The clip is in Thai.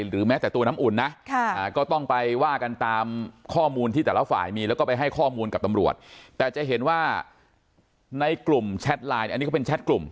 หรือแม้แต่ตัวน้ำอุ่นนะก็ต้องไปว่ากันตามข้อมูลที่แต่ละฝ่ายมีแล้วก็ไปให้ข้อมูลกับตำรวจแต่จะเห็นว่าในกลุ่มแชทไลน์อันนี้ก็เป็นแชทกลุ่ม